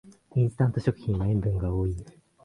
インスタント食品は塩分が多い